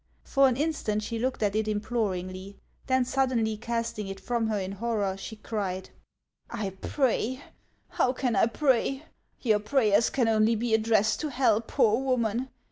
For an instant she looked at it imploringly ; then suddenly casting it from her in hor ror, she cried :" I pray ! How can I pray ? Your prayers can only be addressed to hell, poor woman